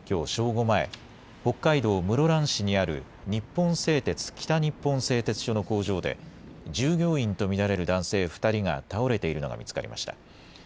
午前、北海道室蘭市にある日本製鉄北日本製鉄所の工場で従業員と見られる男性２人が倒れているのが見つかりました。